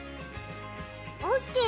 オッケー？